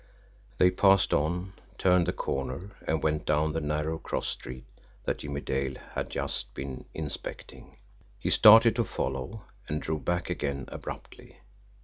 They passed on, turned the corner, and went down the narrow cross street that Jimmie Dale had just been inspecting. He started to follow and drew back again abruptly.